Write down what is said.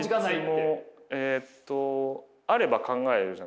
えっとあれば考えるじゃないですか。